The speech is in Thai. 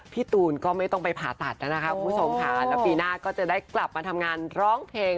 พี่ตูนก็ไม่ต้องไปผ่าตัดนะคะคุณผู้ชมค่ะแล้วปีหน้าก็จะได้กลับมาทำงานร้องเพลง